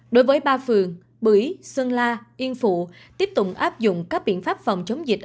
đối với ba phường bửi xuân la yên phụ tiếp tục áp dụng các biện pháp phòng chống dịch